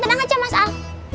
tenang aja mas al